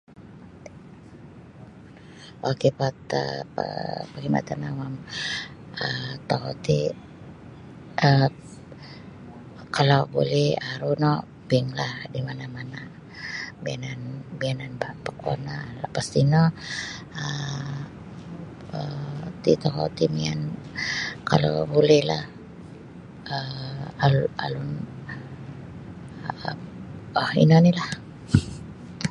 Ok pataa per perkhidmatan awam um tokou ti um kalau buli aru no bank lah di mana-mana bianan [unintelligible] lapas tino um [unintelligible] mian kalau bulilah um alun alun ino ni lah.